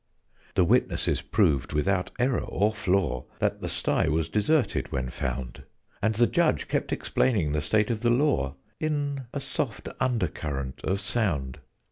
'"] The Witnesses proved, without error or flaw, That the sty was deserted when found: And the Judge kept explaining the state of the law In a soft under current of sound.